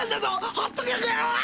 ほっとけるかよ！